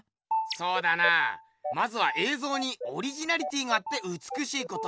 そうだなまずはえいぞうにオリジナリティーがあってうつくしいこと。